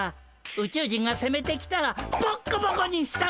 宇宙人がせめてきたらボッコボコにしたるで。